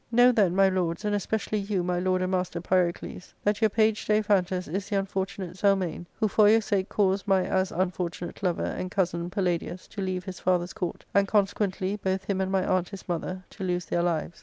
Know, then, my lords, and especially you, my lord ai|d master Pyrocles, that your page Daiphantus is the unfortunate Zelmane, who for your sake caused my as unfortunate lover and cousin Palla dius to leave his father's court, and, consequently, both him and my aunt his mother to lose their lives.